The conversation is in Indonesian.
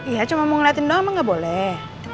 iya cuma mau ngeliatin doang mah gak boleh